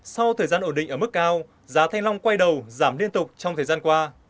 sau thời gian ổn định ở mức cao giá thanh long quay đầu giảm liên tục trong thời gian qua